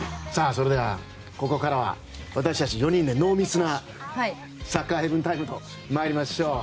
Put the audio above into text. それでは、ここからは私たち４人で濃密なサッカーヘブンタイムといきましょう。